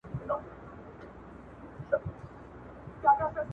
او سپک انسان څخه